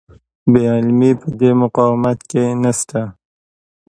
بې عملي په دې مقاومت کې نشته.